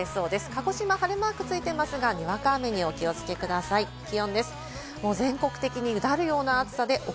鹿児島、晴れマークがついていますが、にわか雨にお気をつけください。